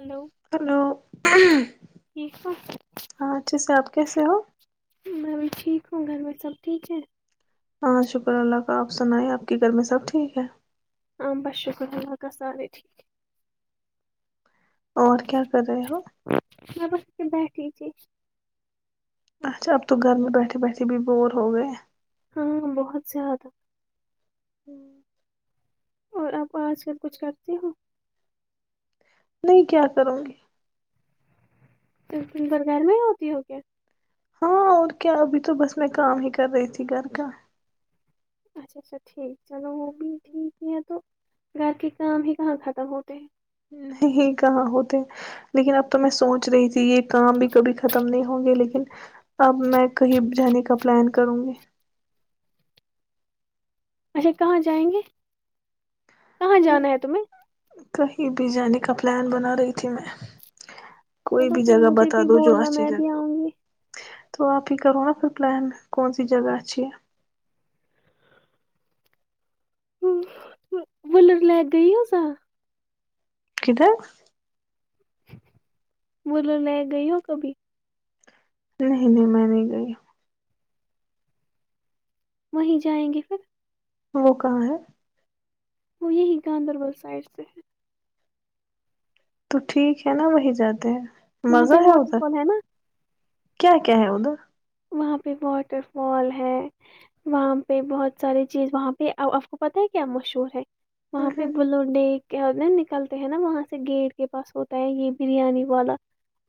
hello hello ٹھیک ہو ہاں اچھے سے آپ کیسے ہو میں بھی ٹھیک ہوں گھر میں سب ٹھیک ہے ہاں شکر اللہ کا آپ سنائیں آپ کی گھر میں سب ٹھیک ہے ہاں بس شکر اللہکہ سارے ٹھیک اور کیا کر رہے ہو بیٹٹھی ت اچھا اب تو گھر میں بیٹھے بیٹھے بھی بور ہو گئے ہاں بہت زیادہ ہوں [inaudible] اور آپ آج سےب کچھ کرتے ہو نہیں کیا کروں گی تو ت ب گھر میں ہی ہوتی ہو کیا ہاں اور کیا ابھی تو بس میں کام ہی کر رہی تھی گھر کا اچھا اچھا ٹھیک چلو وہ بھی ٹھیک ہی ہیں تو رات کے کام ہی کہاں ختم ہوتے ہی کہاں ہوتے لیکن اب تو میں سوچ رہی تھی یہ کام بھی کبھی ختم نہیں ہوں گے لیکن اب میں کہیں جانے کا پلان کروں گی اچھا کہاں جائیں گے کہاں جانا ہے تمہیں کہیں بھی جانے کا پلان بنا رہی تھی میں کوئی چلو بھی پھر جگہ مجھے بتا بھی دو جو بولنا اچھی میں جگہ بھی آؤں گی تو آپ ہی کرو نا پھر پلان کون سی جگہ اچھی ہے ہ ولر لائگ گئی ہوذا کدھر بولو لے گئی ہو کبھی نہیں نہیں میں نہیں گئی وہیں جائیں گے پھر وہ کہاں ہے وہ یہی گاندربل سائڈ سے ہے تو ٹھیک ہے نا وہی جاتے ہیں وہاں پہ مزہ ہے واٹر ادھر فال ہے نا کیا کیا ہے اد وہاں پہ واٹر فال ہے وہاں پہ بہت ساریے چیز وہاں پہ آپ کو پتہ ہے کیا مشہور ہے وہاں پہ ہ بولوں نے کے ہر دن نکلتے ہیں نا وہاں سے گیٹ کے پاس ہوتا ہے یہ بریانی والا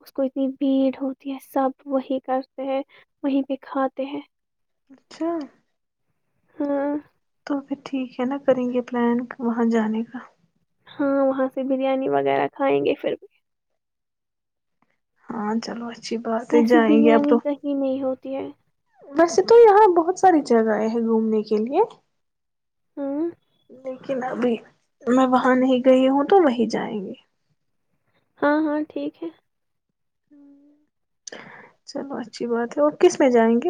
اس کو اتنی بھیڑ ہوتی ہے سب وہی کرتے ہیں وہیں پہ کھاتے ہیں اچھا ہاں تو پھر ٹھیک ہے نا کریں گے پلان وہاں جانے کا ہاں وہاں سے بریانی وغیرہ کھائیں گے پھر ہاں چلو اچھا اییسی بریانی کہیں نہیں ہوتی ہے ویسے تو یہاں بہت ساری جگہیں ہیں گھومنے کے لیے ہاں لیکن ابھی میں وہاں نہیں گئی ہوں تو وہیں جائیں گی ہاں ہاں ٹھیک ہے چلو اچھی بات ہے اور کس میں جائیں گے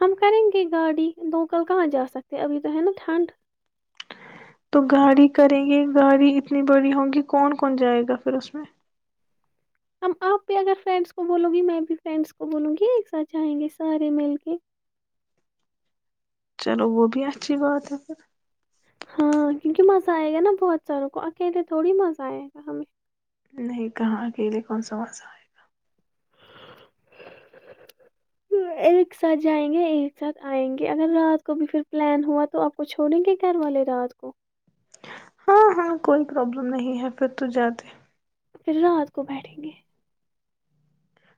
ہم کریں گے گاڑی دو کا کہاں جا سکتے ابھی تو ہے نا ٹھنڈ تو گاڑی کریں گے گاڑی اتنی بڑی ہوگی کون کون جائے گا پھر اس میں ہم آپ بھی اگر فرینڈس کو بولوں گی میں بھی فرینڈس کو بولوں گی ایک ساتھ چاہئیں گے سارے مل کے چلو وہ بھی اچھی بات ہے پھر ہاں کیونکہ مزہ آئے گا نا بہت ساروں کو اکیلے تھوڑی مزہ آئے گا ہمیں نہیں کہاں اکیلے کون سا مزہ آئے گا ہوں ایک ساتھ جائیں گے ایک ساتھ آئیں گے اگر رات کو بھی پھر پلان ہوا تو آپ کو چھوڑیں گے گھر والے رات کو ہاں ہاں کوئی پروبلم نہیں ہے پھر تو جاتے پھر رات کو بیٹھیں گے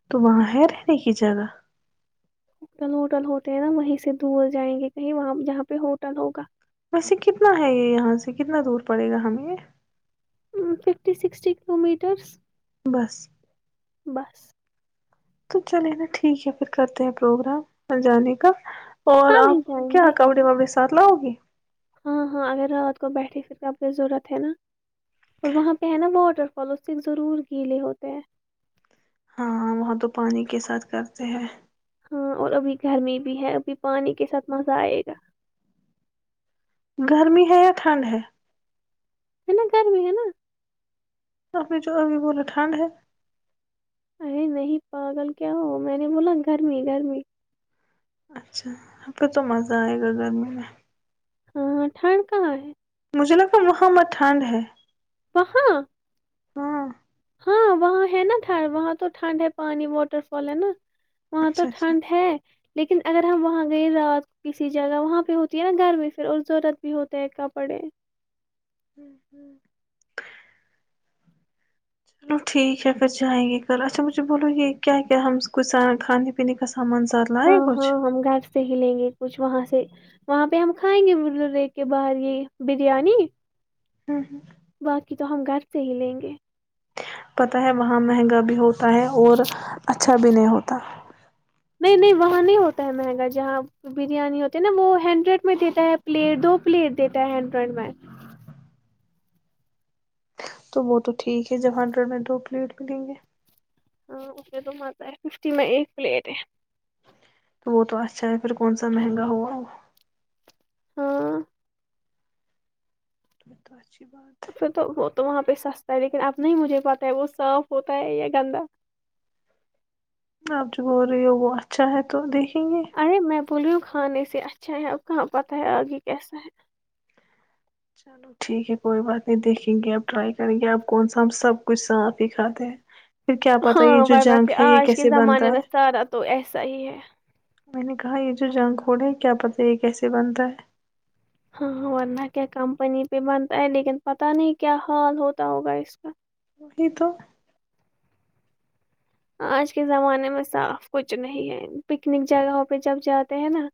تو وہاں ہے رہنے کی جگہ ہوٹل ہوتے ہیں نا وہیں سے دور جائیں گے بھی جہاں پہ ہوٹل ہوگا ویسے کتنا ہے یہ یہاں سے کتنا دور پڑے گا ہمیں ففٹی سکسٹی کلو میٹرس بس بس تو چلے نا ٹھیک ہے پھر کرتے ہیں پروگرام جانے کا اور کل آپ ہی جائیں کیا گے کورے مبس ساتھ لاوگی ہاں ہاں اگر رات کو بیٹھے پھر آپ کو ضرورت ہے نا اور وہاں پہ ہے نا واٹر فال اس سے ضرور گیلے ہوتے ہیں ہاں وہاں تو پانی کے ساتھ کرتے ہیں ہاں اور ابھی گرمی بھی ہے ابھی پانی کے ساتھ مزہ آئے گا گرمی ہے یا ٹھنڈ ہے ہے نا گرمی ہے نا اپ نے جو ابھی بولے ٹھنڈ ہے ارے نہیں پاگل کیا ہو میں نے بولا گرمی گرمی اچھا ھمکوں تو مزہ آئے گا گرمی میں ہاں ہاں تھند کہا ہے مجھے لگتا وہاں پے ٹھنڈ ہے وہاں ہاں ہاں وہاں ہے نا وہاں تو ٹھنڈ ہے پانی واٹر فال ہے نا وہاں تو اچھا اچھا ٹھنڈ ہے لیکن اگر ہم وہاں گئے رات کسی جگہ وہاں پہ ہوتی ہے نا گرمی پھر اور ضرورت بھی ہوتا ہے کپڑے ہوں ہوں چلو ٹھیک ہے پھر جائیں گے کل اچھا مجھے بولو یہ کیا کیا ہم کچھ کھانے پینے کا سھ ہاں ہاں ہم گھر سے ہی لیں گے کچھ وہاں سے وہاں پہ ہم کھائیں گے ب کے باہر یہ بریانی ہوں ہ کی تو ہم گھر سے ہی لیں گے پتا ہے وہاں مہنگا بھی ہوتا ہے اور اچھا اچھا بھی نہیں ہوتا نہیں نہیں وہاں نہیں ہوتا ہے مہنگا جہاں بریانی ہوتی ہے نا وہ ہنڈریڈ میں دیتا ہے پلیٹ دو پلیٹ دیتا ہے ہنڈریڈ میں تو وہ تو ٹھیک ہے جب ہنڈریڈ میں دو پلیٹ ملیں گے ہاں اے تو آتا ہے ففٹی میں ایک پلیٹ ہے وہ تو اچھا ہے پھر کون سا مہنگا ہوا وہ ہاں تو تو [unintelligible] پھر تو وہ تو وہاں پہ سستا ہے لیکن اب نہیں مجھے پتا ہے وہ صاف ہوتا ہے یا گندا اب جو بول رہی ہے ہو وہ اچھا ہے تو دیک ارے میں پولیو کھانے سے اچھا ہے اب کہاں پتہ ہے آگے کیسا ہے چلو ٹھیک ہے کوئی بات نہیں دیکھیں گے آپ ٹرائی کریں گے آپ کون سا ہم سب کچھ صاف ہی کھاتے ہیں پھر کیا پتا ہاں یہ جو یرا کہ جنک ہے یہ آج کے کیسے بنتا زمانے ہے میں سارا تو ایسا ہی ہے میں نے کہا یہ جو جنگ کھوڑا ہے کیا پتا یہ کیسے بنتا ہے ہاں ورنہ کیا کمپنی پہ بنتا ہے لیکن پتا نہیں کیا حال ہوتا ہوگا اس کا نہیں تو آج کے زمانے میں صاف کچھ نہیں ہے پکنک جگہوں پہ جب جاتے ہیں نا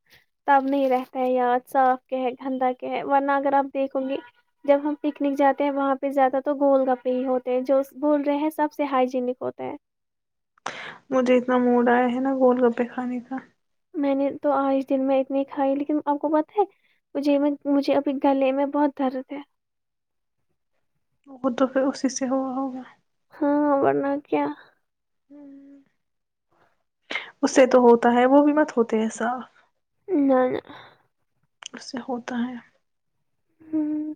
تب نہیں رہتا ہے یا صاف کے ہے گندا کے ہے ورنہ اگر آپ دیکھو گے جب ہم پکنک جاتے ہیں وہاں پہ جاتا تو گول گپے ہی ہوتے ہیں جو بول رہے ہیں سب سے ہائجینک ہوتے ہیں مجھے اتنا موڈ آیا ہے نا گول گپے کھانے کا میں نے تو آج دن میں اتنی کھائی لیکن آپ کو پت ہے مجھے مجھے ابھی گلے میں بہت درد ہے وہ تو پھر اسی سے ہوا ہوگا ہاں ورنہ کیا اس سے تو ہوتا ہے وہ بھی مت ہوتے ہے ایسا نہ نہ اس سے ہوتا ہے ہوں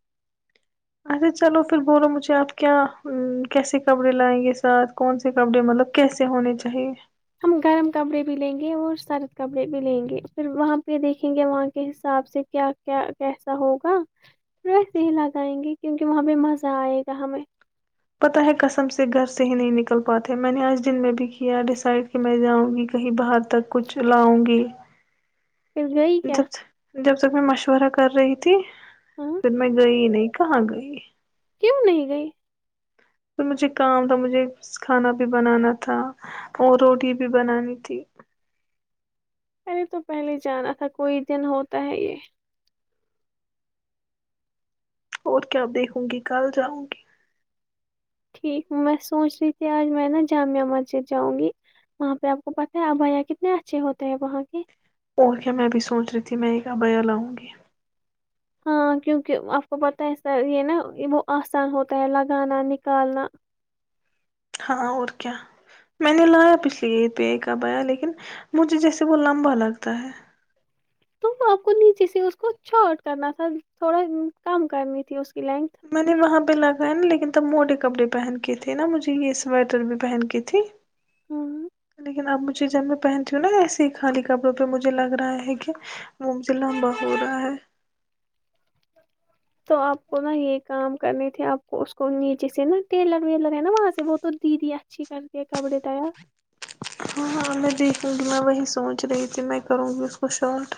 اچھا چلو پھر بولو مجھے آپ کیا کیسے کپڑے لائیں گے اس سال کون سے کپڑے مطلب کیسے ہونے چاہیے ہم گرم کپڑے بھی لیں گے اور سرد کپڑے بھی لیں گے پھر وہاں پہ دیکھیں گے وہاں کے حساب سے کیا کیا کیسا ہوگا پھر ویسے ہی لگائیں گے کیونکہ وہاں پہ مزہ آئے گا ہمیں پتہ ہے قسم سے گھر سے ہی نہیں نکل پاتے میں نے آج دن میں بھی کیا ڈیسائڈ کہ میں جاؤں گی کہیں باہر تک کچھ لاؤں گی پھر گئی کیا جب جب تک میں مشورہ کر رہی تھی ہاں پھر میں گئی نہیں کہاں گئی کیوں نہیں گئی پھر مجھے کام تھا مجھے کھانا بھی بنانا تھا اور روٹی بھی بنانی تھی پہلے تو پہلے جانا تھا کوئی دن ہوتا ہے یہ اور کیا دیکھوں گی کل جاؤں گی ٹھیک میں سوچ رہی تھی آج میں نا جامع مسجد جاؤں گی وہاں پہ آپ کو پتاہ ہے ا بھیا کتنے اچھے ہوتے ہیں وہاں کے اور کیا میں بھی سوچ رہی تھی میں ایک ابیا لاؤں گی ہاں کیونکہ آپ کو پتہ ہےسر یہ نا وہ آسان ہوتا ہے لگانا نکالنا ہاں اور کیا میں نے لایا پچھلی عید پہ ایک کا بیا لیکن مجھے جیسے وہ لمبا لگتا ہے تو آپ کو نیچے سے اس کو چارٹ کرنا تھا تھوڑا کم کرنی تھی اس کی لینتھ میں نے وہاں پہ لاگایا نا لیکن تب موڈی کپڑے پہن کے تھے نا مجھے یہ سویٹر بھی پہن کے تھی ہاں کنے کے نام چیزیں میں پہنتی ہوں نا ایسے ہی خالی کپڑوں پہ مجھے لگ رہا ہے کہ وہ مج سے لمبا ہو رہا ہے تو آپ کو نا یہ کام کرنے تھے آپ کو اس کو نیچے سے نا ٹیلر ویلر ہے نا وہاں سے وہ تو دیدی اچھی کرتی ہے کپڑے تیار ہاںاں میں دیکھوں گی میں وہی سوچ رہی تھی میں کروں گی اس کو شاٹ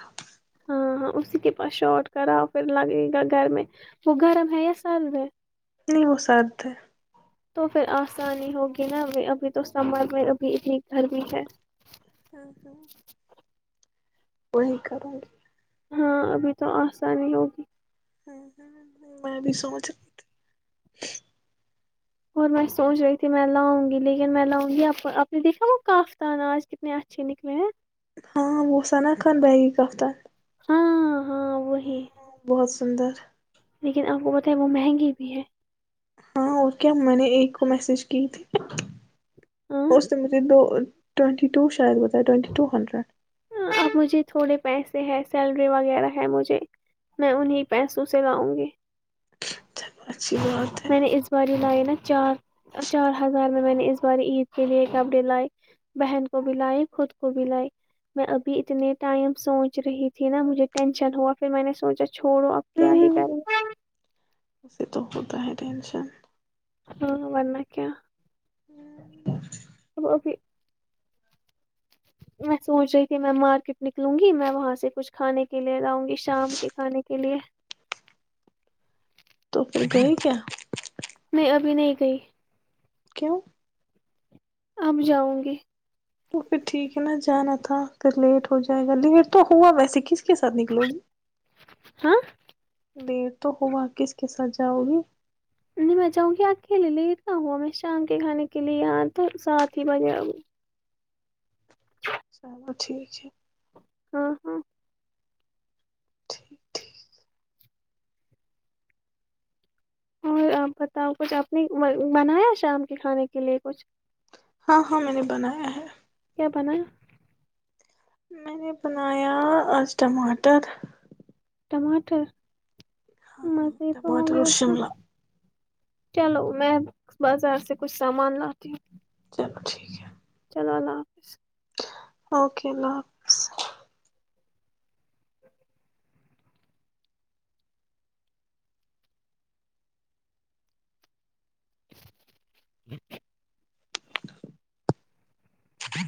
ہاں ہاں اسی کے پاس شارٹ کراؤ پھر لگے گا گھر میں وہ گرم ہے یا سرد ہے نہیں وہ سرد ہے تو پھر آسانی ہوگی نا ابھی تو سمر میں ابھی اتنی گرمی ہے ہاں ہاں [inaudible] وہی کروں گی ہاں ابھی تو آسانی ہوگی ہ ہ میں بھی سوچ رہی تھی اور میں سوچ رہی تھی میں لاؤں گی لیکن میں لاؤں گی آپ نے دیکھا وہ کافتان آج کتنے اچھے نکلے ہیں ہاں وہ آنا خ بیگی کفت ہاں ہاں وہی بہت سندر لیکن آپ کو بت ہے وہ مہنگی بھی ہے ہاں اور کیا میں نے ایک کو میسج کی تھی ہاں اس سے مجھے دو ٹوینٹی و شاید ٹ ٹ ہڈڈ اب مجھے تھوڑے پیسے ہے سیلری وغیرہ ہے مجھے میں انیں پیسوں سے لاؤں گی چلو اچھی بات ہے میں نے اس بار لائے نا چار چار ہزار میں میں نے اس بار عید کے لیے کپڑے لائے بہن کو بھی لائے خود کو بھی لائے میں ابھی اتنے ٹائم سوچ رہی تھی نا مجھے ٹینشن ہوا پھر میں نے سوچا چھوڑو آپ کیا ہی کریں کووت ہے ہے ٹینشن ہاں بن کیا ہ تو پھر میں سوچ رہی تھی میں مارکیٹ نکلوں گی میں وہاں سے کچھ کھانے کے لیے جاؤں گی شام کے کھانے کے لیے تو پھر گئی کیا میں ابھی نہیں گئی کیوں ہمم جاؤ گی تو پھر ٹھیک ہے نا جانا تھا پھر لیٹ ہو جائے گا لیٹ تو ہوا ویسے ک ک کے ساتھ نکلو گی ہاں دٹ تو ہوگا آ کس کے ساتھ جاؤ گی نہیں میں چاہوں گی اکیلے لی اتنا ہوا میں شام کے کھانے کے لیے آ تو سات ہی بجے آؤ چلو ٹھیک ہے ہاں ہاں ٹھیک ٹھیک اور آپ بتاؤ کچھ آپ نے بنایا شام کے کھانے کے لیے کچھ ہاں ہاں میں نے بنایا ہے بنا میں نے بنایا ٹماٹر ٹماٹر ہاں مزے مے تو مٹ ہوں گے اس میں وشملہ چلو میں بازار سے کچھ سامان لاتی ہوں چلو ٹھیک ہے اللہ اللہ حافظ اوکے اللہ حافظ جی ہ